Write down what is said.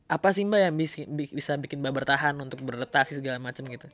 apa sih mbak yang bisa bikin mbak bertahan untuk beradaptasi segala macam gitu